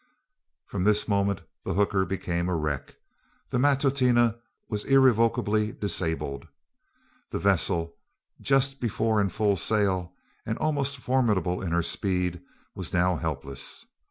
From this moment the hooker became a wreck. The Matutina was irrevocably disabled. The vessel, just before in full sail, and almost formidable in her speed, was now helpless.